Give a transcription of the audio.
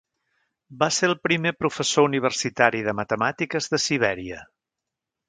Va ser el primer professor universitari de matemàtiques de Sibèria.